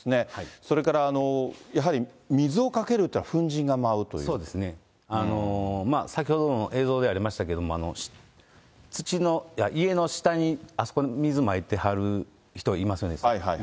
それからやはり、水をかけるっていうのは、そうですね、先ほどの映像でありましたけれども、土の、家の下に、あそこに水まいてはる人いますよね、今も。